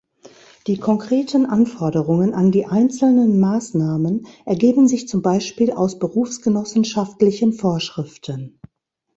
Die konkreten Anforderungen an die einzelnen Maßnahmen ergeben sich zum Beispiel aus berufsgenossenschaftlichen Vorschriften.